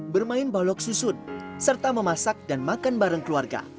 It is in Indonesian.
bermain balok susun serta memasak dan makan bareng keluarga